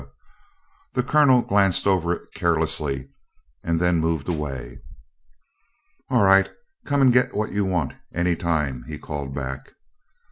The Colonel glanced over it carelessly, then moved away. "All right. Come and get what you want any time," he called back.